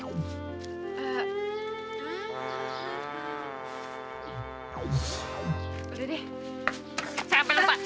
udah deh sampai lupa